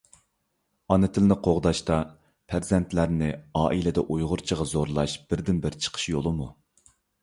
ئانا تىلنى قوغداشتا پەرزەنتلەرنى ئائىلىدە ئۇيغۇرچىغا زورلاش بىردىنبىر چىقىش يولىمۇ؟